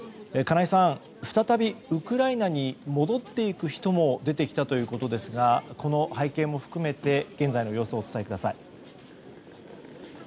金井さん、再びウクライナに戻っていく人も出てきたということですがこの背景も含めて現在の様子をお伝えください。